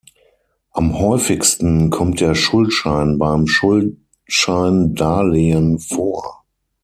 Am häufigsten kommt der Schuldschein beim Schuldscheindarlehen vor.